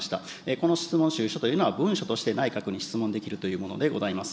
この質問主意書というのは文書として内閣に質問できるというものでございます。